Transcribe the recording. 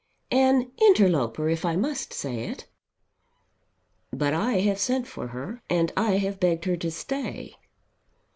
"An interloper if I must say it." "But I have sent for her, and I have begged her to stay."